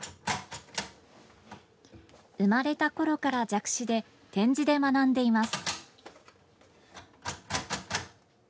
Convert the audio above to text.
生まれたころから弱視で点字で学んでいます。